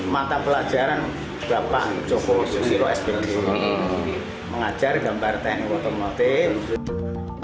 mata pelajaran bapak joko susilo s b mengajar gambar teknik otomotif